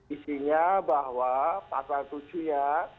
isinya bahwa pasal tujuh ya